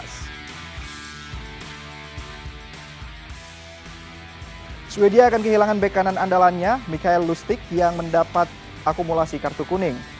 sweden akan kehilangan back kanan andalannya mikael lustic yang mendapat akumulasi kartu kuning